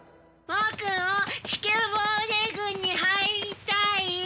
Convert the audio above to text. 僕も地球防衛軍に入りたい！